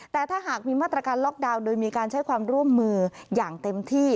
แต่ถ้าหากมีมาตรการล็อกดาวน์โดยมีการใช้ความร่วมมืออย่างเต็มที่